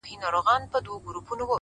• جهاني شپه مي تر پانوس پوري را ورسول ,